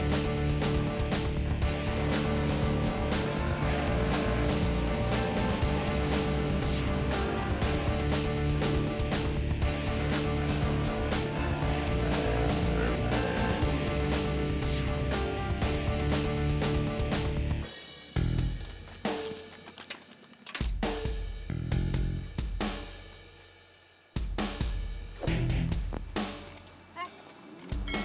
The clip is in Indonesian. menurut pemikiran kamu